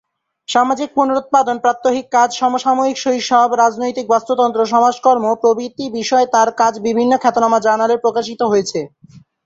সামাজিক পুনরুৎপাদন, প্রাত্যহিক কাজ, সমসাময়িক শৈশব, রাজনৈতিক বাস্তুতন্ত্র, সমাজকর্ম প্রভৃতি বিষয়ে তাঁর কাজ বিভিন্ন খ্যাতনামা জার্নালে প্রকাশিত হয়েছে।